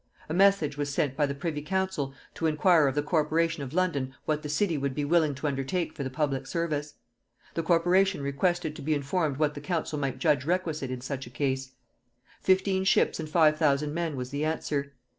A message was sent by the privy council to inquire of the corporation of London what the city would be willing to undertake for the public service? The corporation requested to be informed what the council might judge requisite in such a case. Fifteen ships and five thousand men, was the answer.